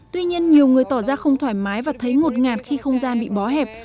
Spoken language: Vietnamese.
tuy nhiên nhiều người tỏ ra không thoải mái và thấy ngột ngạt khi không gian bị bó hẹp